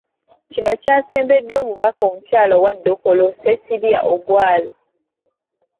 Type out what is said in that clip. Kino kyasembeddwa omubaka omukyala owa Dokolo Cecilia Ogwal.